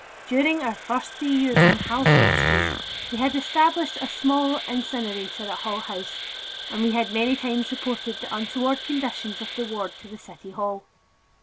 During our first three years on Halsted Street, we had established a small incinerator at Hull House and we had many times reported the untoward conditions of the ward to the city hall.